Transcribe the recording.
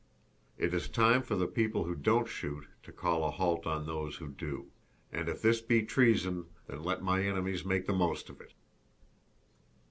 It is time for the people who don't shoot to call a halt on those who do; "and if this be treason, then let my enemies make the most of it!"